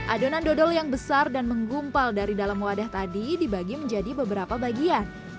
adonan dodol yang besar dan menggumpal dari dalam wadah tadi dibagi menjadi beberapa bagian